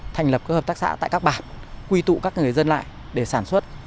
thành lập các hợp tác xã tại các bản quy tụ các người dân lại để sản xuất